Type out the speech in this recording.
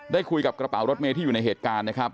ได้คุยกับกระเป๋ารถเมย์ที่อยู่ในเหตุการณ์นะครับ